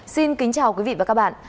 xin kính chào quý vị và các bạn